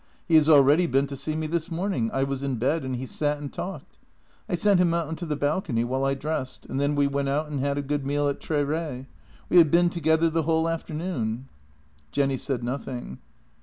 He has al ready been to see me this morning; I was in bed, and he sat and talked. I sent him out on to the balcony while I dressed, and then we went out and had a good meal at Tre Re. We have been together the whole afternoon." Jenny said nothing.